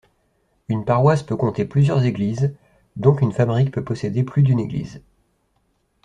Une paroisse peut compter plusieurs églises, donc une fabrique peut posséder plus d'une église.